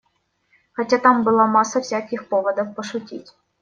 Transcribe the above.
Хотя там была масса всяких поводов пошутить.